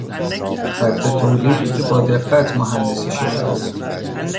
خط تولیدی که با دقت مهندسی شده است